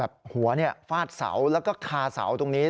แล้วก็หัวฟาดเสาคาเสาตรงนี้